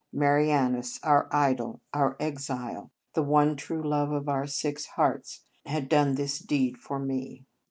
Marianus, our idol, our exile, the 18 Marianus one true love of our six hearts, had done this deed for me.